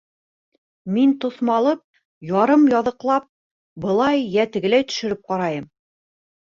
Мин тоҫмалап, ярым яҙыҡлап, былай йә тегеләй төшөрөп ҡарайым.